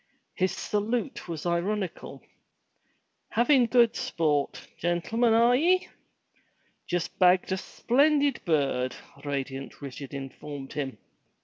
His salute was ironical. "Havin' good sport, gentlemen, are ye?" *'Just bagged a splendid bird!" radiant Richard informed him.